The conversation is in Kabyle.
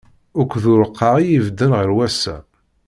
Akk d ureqqeɛ i ibedden ɣer wass-a.